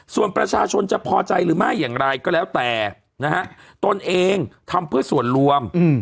ส่วนประชาชนจะพอใจหรือไม่อย่างไรก็แล้วแต่นะฮะตนเองทำเพื่อส่วนรวม